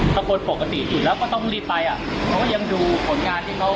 ถ้าคนปกติอยู่แล้วก็ต้องรีบไปอ่ะเขาก็ยังดูผลงานที่เขา